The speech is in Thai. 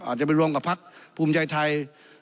อาจจะไปรวมกับพักภูมิใจไทย